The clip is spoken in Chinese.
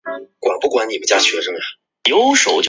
大将柏良器之子。